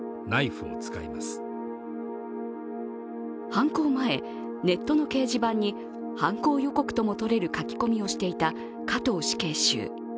犯行前、ネットの掲示板に犯行予告とも取れる書き込みをしていた加藤死刑囚。